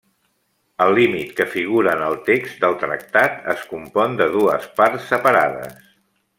El límit que figura en el text del tractat es compon de dues parts separades.